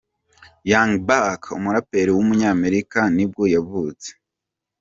Young Buck, umuraperi w’umunyamerika nibwo yavutse.